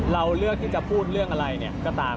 เราเลือกที่จะพูดเรื่องอะไรเนี่ยก็ตาม